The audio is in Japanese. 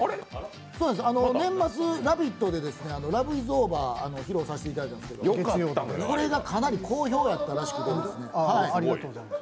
年末、「ラヴィット！」で「ラヴ・イズ・オーヴァー」披露させていただいたんですけどこれがかなり好評だったらしくて。